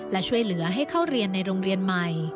และช่วยเหลือให้เข้าเรียนในโรงเรียนใหม่